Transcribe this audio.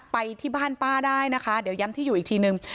ไปที่บ้านป้าได้นะคะเดี๋ยวย้ำที่อยู่อีกทีนึง